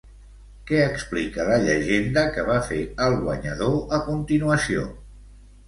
Què explica la llegenda que va fer el guanyador a continuació?